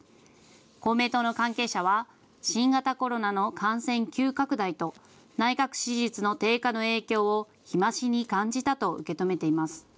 公明党の関係者は新型コロナの感染急拡大と内閣支持率の低下の影響を日増しに感じたと受け止めています。